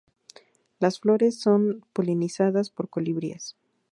Las flores son polinizadas por colibríes.